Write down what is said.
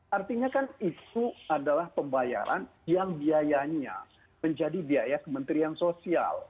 artinya kan itu adalah pembayaran yang biayanya menjadi biaya kementerian sosial